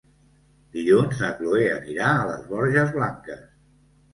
Dilluns na Chloé anirà a les Borges Blanques.